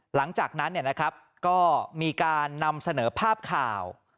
หลังจากนั้นเนี้ยนะครับก็มีการนำเสนอภาพข่าว